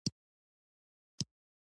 وېل دا خو د ښو ځوانانو کار دی.